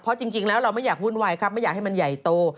เพราะจริงแล้วเราไม่อยากวุ่นวายครับไม่อยากให้มันใหญ่โต